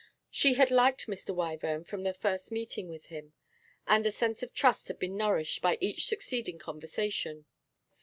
She had liked Mr. Wyvern from the first meeting with him, and a sense of trust had been nourished by each succeeding conversation.